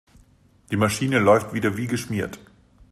Die Maschine läuft wieder wie geschmiert.